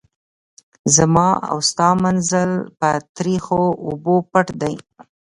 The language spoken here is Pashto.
زما او ستا منزل په تریخو اوبو پټ دی.